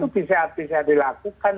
itu bisa bisa dilakukan